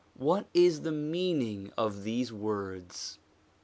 What is the meaning of these words